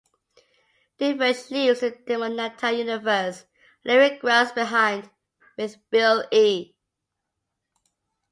Dervish leaves to the Demonata universe, leaving Grubbs behind with Bill-E.